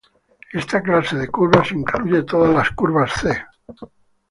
Esta clase de curvas incluye todas las curvas "C".